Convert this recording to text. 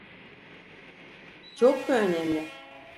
Çok mu önemli?